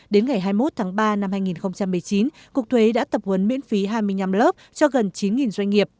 đến ngày hai mươi một tháng ba năm hai nghìn một mươi chín cục thuế đã tập huấn miễn phí hai mươi năm lớp cho gần chín doanh nghiệp